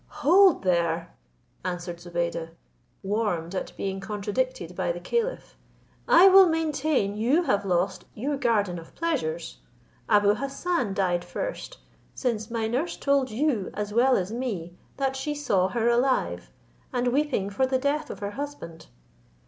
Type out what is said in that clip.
"Hold there," answered Zobeide, warmed at being contradicted by the caliph; "I will maintain you have lost your garden of pleasures. Abou Hassan died first; since my nurse told you, as well as me, that she saw her alive, and weeping for the death of her husband."